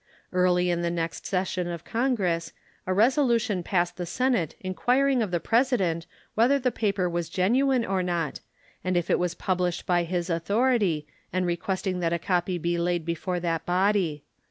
Early in the next session of Congress a resolution passed the Senate inquiring of the President whether the paper was genuine or not and if it was published by his authority, and requesting that a copy be laid before that body.